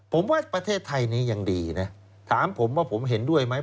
ผมว่าประเทศไทยนี้ยังดีนะถามผมว่าผมเห็นด้วยไหม